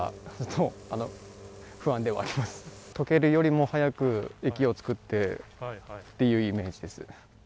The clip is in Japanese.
とけるよりも早く雪を作ってっていうイメージです。